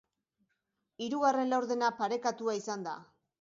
Hirugarren laurdena parekatua izan da.